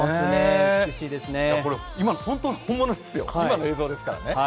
これ、本当の本物ですよ、今の映像ですからね。